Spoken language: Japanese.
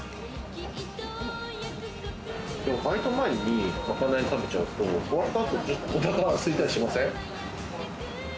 バイト前に、まかない食べちゃうと、終わった後またお腹すいたりしません？